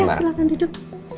ya silahkan duduk